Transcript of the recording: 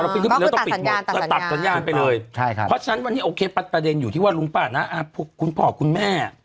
เพราะฉะนั้นวันนี้ปัดประเด็นอยู่ที่ว่าลุงป้านะคุณพ่อคุณแม่